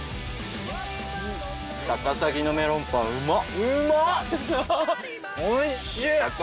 高崎のメロンパンうまっ！